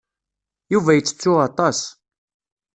Yuba yettettu aṭas.